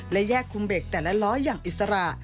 และแยกคุมเบรกแต่ละล้ออย่างอิสระ